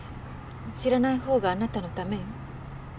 知らないほうがあなたのためよ。